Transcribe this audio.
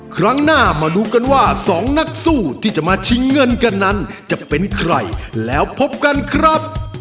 ครั้งหน้ามาดูกันว่าสองนักสู้ที่จะมาชิงเงินกันนั้นจะเป็นใครแล้วพบกันครับ